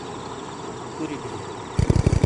کُوری بلی۔